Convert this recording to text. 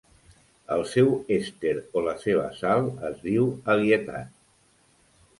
El seu èster o la seva sal es diu "abietat".